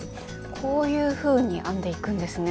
こういうふうに編んでいくんですね。